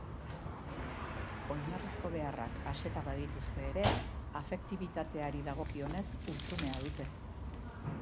Oinarrizko beharrak aseta badituzte ere, afektibitateari dagokionez, hutsunea dute.